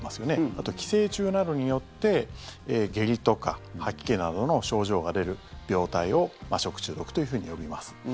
あと寄生虫などによって下痢とか吐き気などの症状が出る病態を食中毒というふうに呼びます。